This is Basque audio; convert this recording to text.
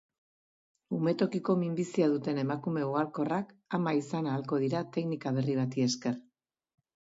Umetokiko minbizia duten emakume ugalkorrak ama izan ahalko dira teknika berri bati eskeri.